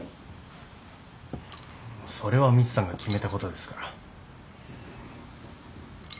それはみちさんが決めたことですから。